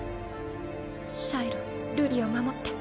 シャイロ瑠璃を守って。